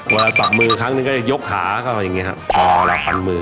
เวลาสับมือครั้งหนึ่งก็จะยกขาเขาอย่างเงี้ยครับหรอเราฟันมือ